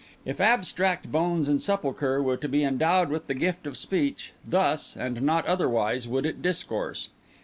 If Abstract Bones and Sepulchre were to be endowed with the gift of speech, thus, and not otherwise, would it discourse.